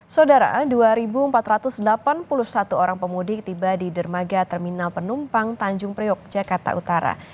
saudara dua empat ratus delapan puluh satu orang pemudik tiba di dermaga terminal penumpang tanjung priok jakarta utara